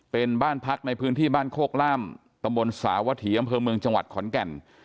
เป็นบ้านพักในพื้นที่บ้านโคกล่ามตำบลสาวถีอำเภอเมืองจังหวัดขอนแก่น